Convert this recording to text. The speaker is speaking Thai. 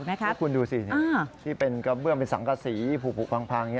นี่คุณดูสิที่เป็นเก้าเบื้องเป็นสังคัตสีผลูกพังที่นี่